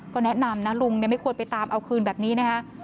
ก็แนะนำนะลุงไม่ควรไปตามเอาคืนแบบนี้นะคะ